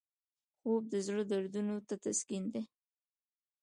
خوب د زړه دردونو ته تسکین دی